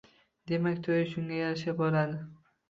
Demak, to`yi shunga yarasha bo`ladi